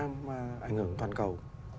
mà ảnh hưởng toàn cầu